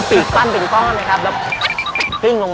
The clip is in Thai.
ปานเป็นต้น